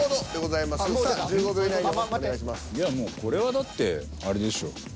いやもうこれはだってあれでしょ。